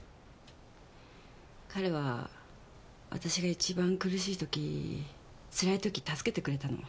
彼は私が一番苦しい時つらい時助けてくれたの。